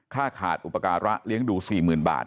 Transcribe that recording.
ขาดอุปการะเลี้ยงดู๔๐๐๐บาท